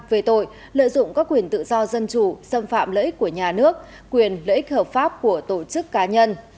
về tội lợi dụng các quyền tự do dân chủ xâm phạm lợi ích của nhà nước quyền lợi ích hợp pháp của tổ chức cá nhân